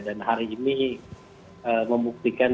dan hari ini membuktikan